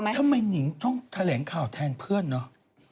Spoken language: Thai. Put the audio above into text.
ทำไมหนิงต้องแสดงแผลงข่าวแทนเพื่อนนะ